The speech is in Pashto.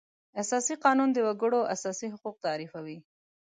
اساسي قانون د وکړو اساسي حقوق تعریفوي.